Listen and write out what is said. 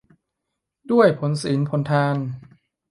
ด้วยผลศีลผลทาน